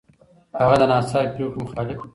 هغه د ناڅاپي پرېکړو مخالف و.